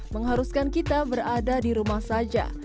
mengharuskan kita berada di rumah saja